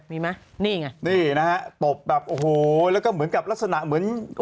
มีไหมนี่ไงนี่นะฮะตบแบบโอ้โหแล้วก็เหมือนกับลักษณะเหมือน